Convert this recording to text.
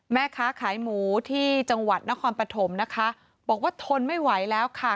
แม่ค้าขายหมูที่จังหวัดนครปฐมนะคะบอกว่าทนไม่ไหวแล้วค่ะ